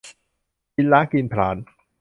กินล้างกินผลาญ